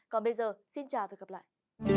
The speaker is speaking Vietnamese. còn bây giờ xin chào và gặp lại